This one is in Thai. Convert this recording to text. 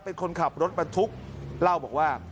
เป็นคนขับรถบรรทุกเล่าบอกว่า